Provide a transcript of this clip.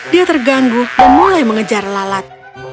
dia terganggu dan mulai mengejar lalat